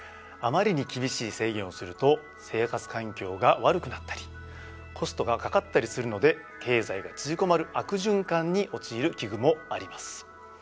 あまりに厳しい制限をすると生活環境が悪くなったりコストがかかったりするので経済が縮こまる悪循環に陥る危惧もあります。